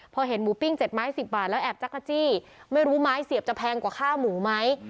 พอเห็นหมูปิ้ง๗ไม้๑๐บาทแล้วแอบจักรจี้ไม่รู้ไม้เสียบจะแพงกว่าค่าหมูไหม